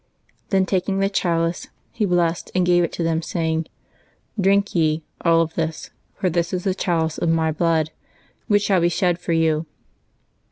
Then taking the chalice. He blessed and gave it to them, saying, "Drink ye all of this; for this is the chalice of My blood, which shall be shed for you."